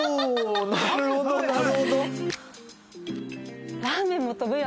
なるほどなるほど。